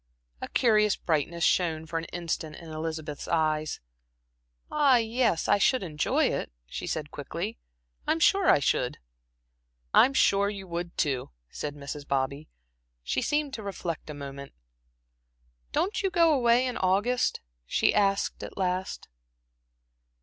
A curious brightness shone for an instant in Elizabeth's eyes. "Ah, yes, I should enjoy it," she said, quickly. "I'm sure I should." "I'm sure you would, too," said Mrs. Bobby. She seemed to reflect a moment. "Don't you go away in August?" she asked at last.